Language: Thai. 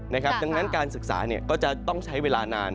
ดังนั้นการศึกษาก็จะต้องใช้เวลานาน